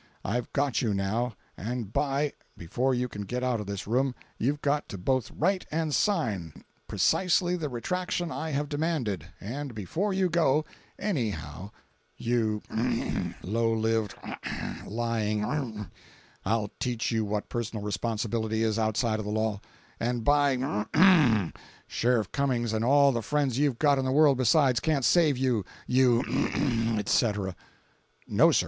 I've got you now, and by—before you can get out of this room you've got to both write and sign precisely the retraction I have demanded, and before you go, anyhow—you — low lived — lying —, I'll teach you what personal responsibility is outside of the law; and, by—, Sheriff Cummings and all the friends you've got in the world besides, can't save you, you— , etc.! No, sir.